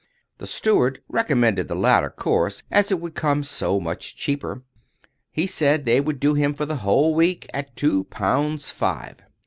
The steward recommended the latter course, as it would come so much cheaper. He said they would do him for the whole week at two pounds five.